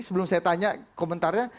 sebelum saya tanya komentarnya